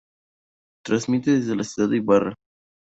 Transmite desde la ciudad de Ibarra.